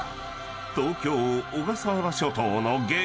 ［東京小笠原諸島の激